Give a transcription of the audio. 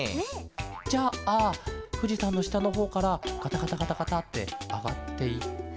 じゃあふじさんのしたのほうからガタガタガタガタってあがっていって。